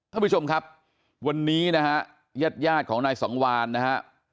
ท่านผู้ชมครับวันนี้นะฮะญาติญาติของนายสังวานนะฮะ